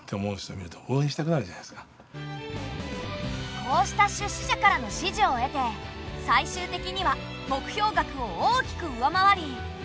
こうした出資者からの支持を得て最終的には目標額を大きく上回り２５０万円が集まった。